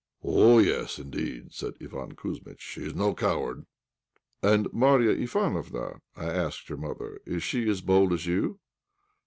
"Oh! yes, indeed," said Iván Kouzmitch, "she's no coward." "And Marya Ivánofna," I asked her mother, "is she as bold as you?"